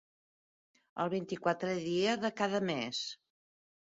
El vint-i-quatrè dia de cada mes.